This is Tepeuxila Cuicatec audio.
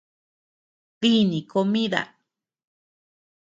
Díni comida.